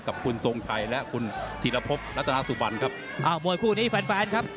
กับคุณทรงไทยและคุณศิลปพระจานัสบรรย์ครับ